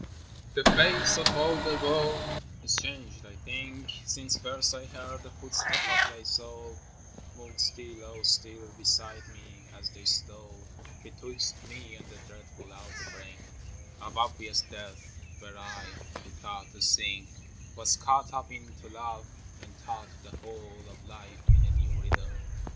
'T'HE face of all the world is changed, I think, A Since first I heard the footsteps of thy soul Move still, oh, still, beside me; as they stole Betwixt me and the dreadful outer brink Of obvious death, where I who thought to sink Was caught up into love and taught the whole Of life in a new rhythm.